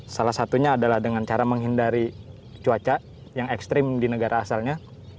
salah satunya adalah dengan cara menghindari cuaca yang ekstrim di negara asalnya